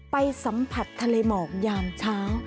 ไปสัมผัสทะเลหมอกยามเช้า